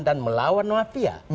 dan melawan mafia